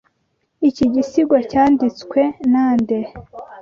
Iki gisigo cyanditswe nande?